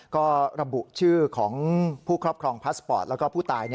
ก็ระบุชื่อของผู้ครอบครองพาสปอร์ตแล้วก็ผู้ตาย